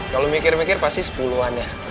kalo mikir mikir pasti sepuluhannya